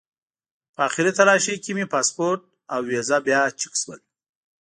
په آخري تالاشۍ کې مې پاسپورټ او ویزه بیا چک شول.